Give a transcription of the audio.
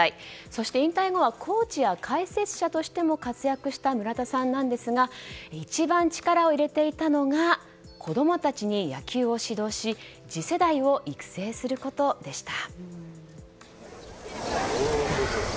そして引退後はコーチや解説者としても活躍した村田さんなんですが一番力を入れていたのが子供たちに野球を指導し次世代を育成することでした。